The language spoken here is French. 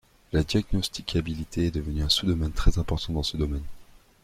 La diagnosticabilité est devenu un sous domaine très important dans ce domaine.